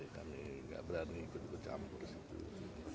kami gak berani bercampur